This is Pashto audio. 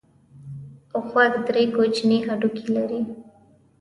غوږ درې کوچني هډوکي لري.